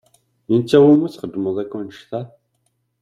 I netta i wumi txedmeḍ akk annect-a?